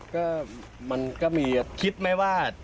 ก็มันคิดไหมว่า